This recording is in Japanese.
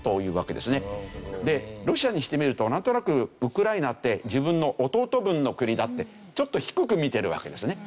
ロシアにしてみるとなんとなくウクライナって自分の弟分の国だってちょっと低く見てるわけですね。